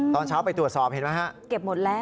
ตอนเช้าไปตรวจสอบเห็นไหมครับ